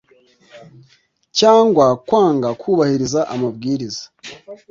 Cyangwa kwanga kubahiriza amabwiriza